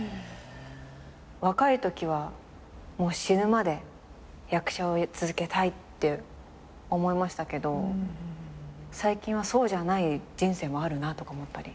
若いときは死ぬまで役者を続けたいって思いましたけど最近はそうじゃない人生もあるなとか思ったり。